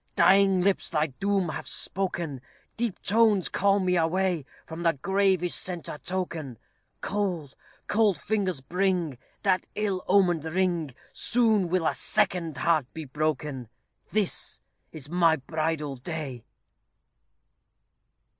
Dying lips my doom have spoken; Deep tones call me away; From the grave is sent a token. Cold, cold fingers bring That ill omen'd ring; Soon will a second heart be broken; This is my bridal day.